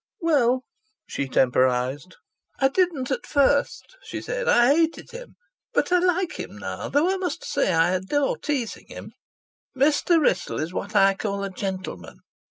"Well " he temporized. "I didn't at first," she said. "I hated him. But I like him now, though I must say I adore teasing him. Mr. Wrissell is what I call a gentleman.